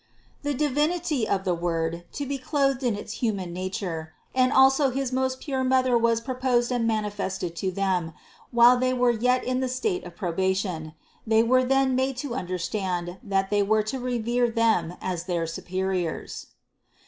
The Divinity of the Word, to be clothed in its hu man nature, and also his most pure Mother was proposed and manifested to them, while they were yet in the state of probation; they were then made to understand, that they were to revere Them as their superiors.